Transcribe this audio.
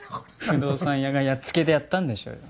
不動産屋がやっつけでやったんでしょうよ。